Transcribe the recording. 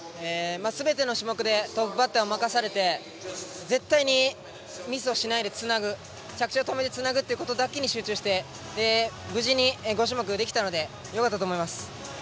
全ての種目でトップバッターを任されて絶対にミスをしないでつなぐ着地を止めてつなぐということだけに集中して無事に５種目できたので良かったと思います。